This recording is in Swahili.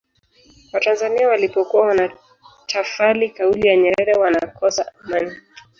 watanzania walipokuwa wanatafali kauli ya nyerere wanakosa amani